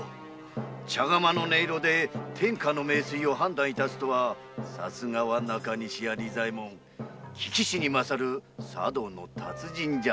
茶釜の音色で天下の名水を判断致すとはさすがは中西屋利左衛門聞きしに勝る茶道の達人じゃ。